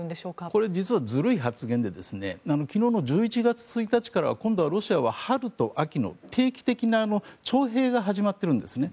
これ実はずるい発言で昨日の１１月１日から今度はロシアは春と秋の定期的な徴兵が始まっているんですね。